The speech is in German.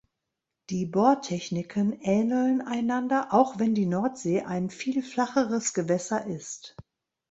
Die Bohrtechniken ähneln einander, auch wenn die Nordsee ein viel flacheres Gewässer ist.